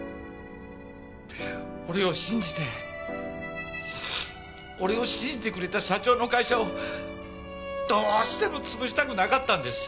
俺を信じて俺を信じてくれた社長の会社をどうしても潰したくなかったんです。